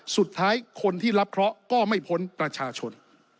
สุดท้ายคนที่รับเคราะห์ก็ไม่พ้นประชาชน